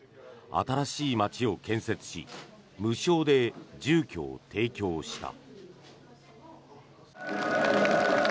新しい街を建設し無償で住居を提供した。